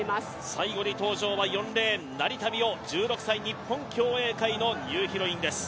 最後に登場は４レーン、成田実生、１６歳、日本競泳界のヒロインです。